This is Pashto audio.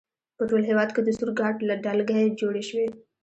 په ټول هېواد کې د سور ګارډ ډلګۍ جوړې شوې.